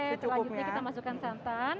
lanjutnya kita masukkan santan